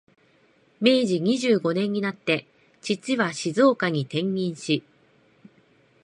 明治二十年になって、父は静岡に転任し、